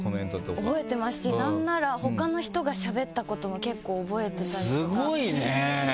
覚えてますしなんなら他の人がしゃべったことも結構覚えてたりとかして。